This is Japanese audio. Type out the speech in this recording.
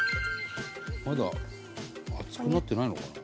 まだ熱くなってないのかな？